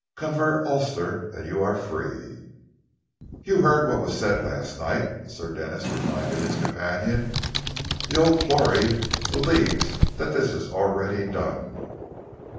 Convert Ulster and you are free." "You heard what was said last night?" Sir Denis reminded his companion. "The O'Clory believes that that is already done."